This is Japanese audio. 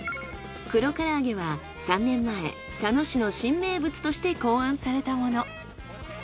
黒から揚げは３年前佐野市の新名物として考案されたもの。